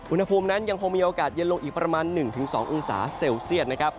อุณหภูมินั้นยังคงมีโอกาสเย็นลงอีกประมาณ๑๒องศาเซลเซียตนะครับ